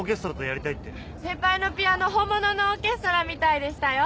先輩のピアノ本物のオーケストラみたいでしたよ。